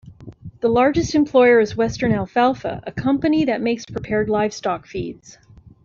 The largest employer is Western Alfalfa, a company that makes prepared livestock feeds.